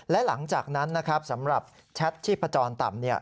และหลังจากนั้นนะครับสำหรับแชทชีพจรต่ำ